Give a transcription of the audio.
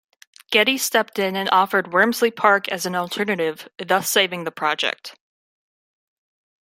Getty stepped in and offered Wormsley Park as an alternative, thus saving the project.